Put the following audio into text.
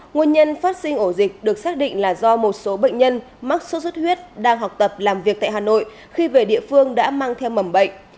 nguyên nhân phát sinh ổ dịch được xác định là do một số bệnh nhân mắc sốt xuất huyết đang học tập làm việc tại hà nội khi về địa phương đã mang theo mầm bệnh